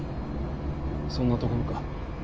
そんなところか？